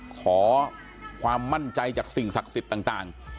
ขอความมั่นใจจากสิ่งศักดิ์สิทธิ์ต่าง